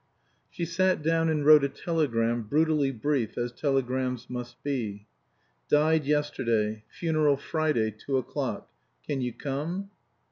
She sat down and wrote a telegram, brutally brief, as telegrams must be. "Died yesterday. Funeral Friday, two o'clock. Can you come?"